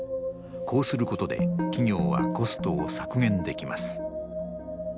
こうすることで企業はコストを削減できます。